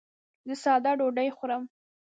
زه ساده ډوډۍ خورم.